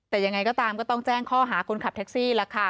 แต่ยังไงก็ตามก็ต้องแจ้งข้อหาคนขับแท็กซี่ล่ะค่ะ